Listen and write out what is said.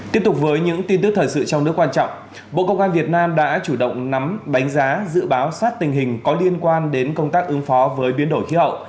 tiếp tục với những tin tức thời sự trong nước quan trọng bộ công an việt nam đã chủ động nắm đánh giá dự báo sát tình hình có liên quan đến công tác ứng phó với biến đổi khí hậu